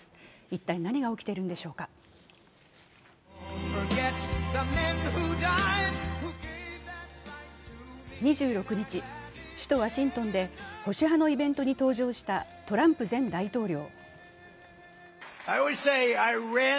一体、何が起きているんでしょうか２６日、首都ワシントンで保守派のイベントに登場したトランプ前大統領。